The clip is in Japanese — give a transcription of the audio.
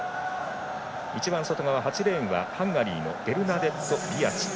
一番外側８レーンはハンガリーのベルナデット・ビアチ。